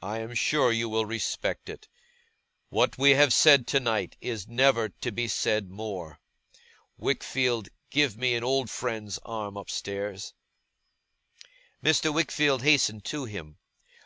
I am sure you will respect it. What we have said tonight is never to be said more. Wickfield, give me an old friend's arm upstairs!' Mr. Wickfield hastened to him.